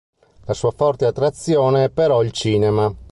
La sua forte attrazione è però il cinema.